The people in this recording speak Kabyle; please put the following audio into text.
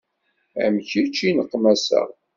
Am kečč i nneqmaseɣ.